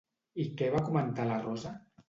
I què va comentar la Rosa?